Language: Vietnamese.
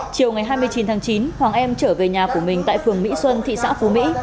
chiều ngày hai mươi chín tháng chín hoàng em trở về nhà của mình tại phường mỹ xuân thị xã phú mỹ